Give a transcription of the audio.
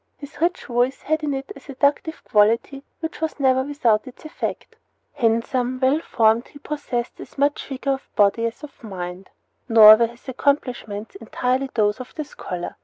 His rich voice had in it a seductive quality which was never without its effect. Handsome and well formed, he possessed as much vigor of body as of mind. Nor were his accomplishments entirely those of the scholar.